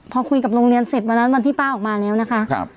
พอคุยกับโรงเรียนเสร็จวันนั้นวันที่ป้าออกมาแล้วนะคะ